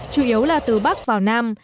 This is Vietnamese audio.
chủ yếu là từ bắc vào nam